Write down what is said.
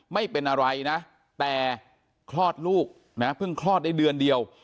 ไม่เป็นอะไรนะแต่คลอดลูกนะเพิ่งคลอดได้เดือนเดียว